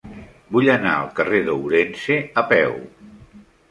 Vull anar al carrer d'Ourense a peu.